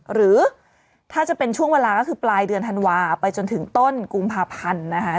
หรือถ้าจะเป็นช่วงเวลาก็คือปลายเดือนธันวาไปจนถึงต้นกุมภาพันธ์นะคะ